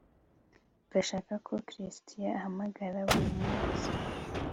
Ndashaka ko Chris ahamagara buri munsi